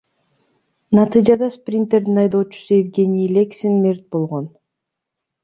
Натыйжада Спринтердин айдоочусу Евгений Лексин мерт болгон.